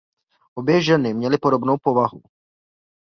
Obě ženy měly podobnou povahu.